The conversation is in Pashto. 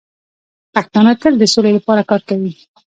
پښتانه تل د سولې لپاره کار کوي.